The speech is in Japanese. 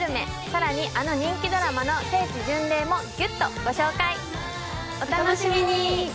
さらにあの人気ドラマの聖地巡礼もギュッとご紹介お楽しみに！